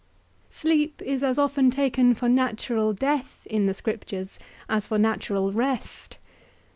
Sleep is as often taken for natural death in thy Scriptures, as for natural rest.